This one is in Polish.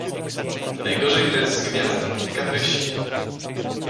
Najgorzej grać z gwiazdą, gdy kaprysi.